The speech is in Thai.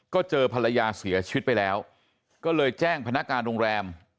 ก็เจอภรรยาเสียชีวิตไปแล้วก็เลยแจ้งพนักการโรงแรม